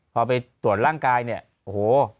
พอไปตรวจร่างกายเนี่ยโอ้โห